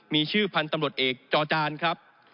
มีชื่อพันธุ์ตำรวจเอกจอจานครับ